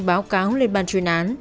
báo cáo lên ban chuyên án